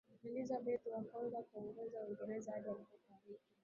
elizabeth wa kwanza aliongoza uingereza hadi alipofariki